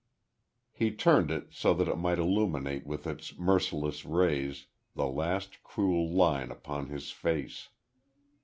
He turned it so that it might illumine with its merciless rays the last cruel line upon his face....